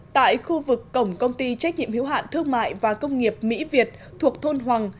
tại khu vực cổng công ty trách nhiệm hiếu hạn thương mại và công nghiệp mỹ việt thuộc thôn hoàng